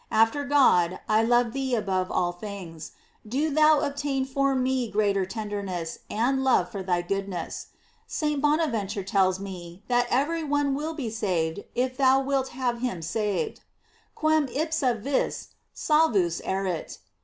After my God, I love thee above all things; do thou obtain for me greater tenderness and love for thy goodness. St. Bonaventure tells me that every one will be saved if thou wilt have him saved: "Quern ipsa vis salvus erit."